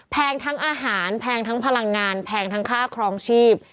แพงทั้งอาหารแพงทั้งพลังงานแพงทั้งค่าครองชีพ